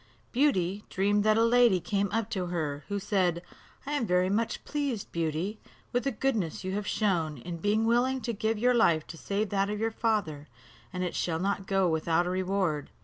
Beauty dreamed that a lady came up to her, who said, "I am very much pleased, Beauty, with the goodness you have shown, in being willing to give your life to save that of your father; and it shall not go without a reward."